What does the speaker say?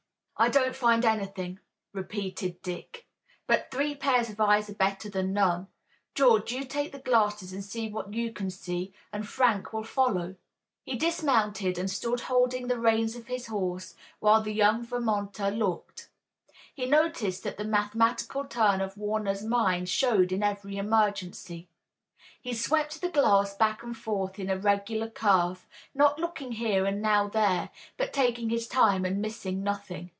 "I don't find anything," repeated Dick, "but three pairs of eyes are better than none. George, you take the glasses and see what you can see and Frank will follow." He dismounted and stood holding the reins of his horse while the young Vermonter looked. He noticed that the mathematical turn of Warner's mind showed in every emergency. He swept the glasses back and forth in a regular curve, not looking here and now there, but taking his time and missing nothing.